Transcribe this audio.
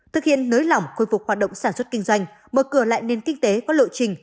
thực hiện nới lỏng khôi phục hoạt động sản xuất kinh doanh mở cửa lại nền kinh tế có lộ trình